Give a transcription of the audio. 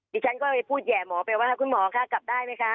ฉันก็เลยพูดแห่หมอไปว่าคุณหมอคะกลับได้ไหมคะ